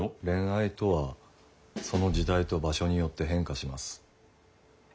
恋愛とはその時代と場所によって変化します。